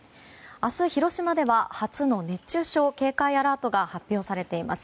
明日、広島では初の熱中症警戒アラートが発表されています。